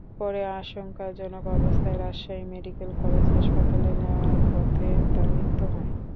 পরে আশঙ্কাজনক অবস্থায় রাজশাহী মেডিকেল কলেজ হাসপাতালে নেওয়ার পথে তাঁর মৃত্যু হয়।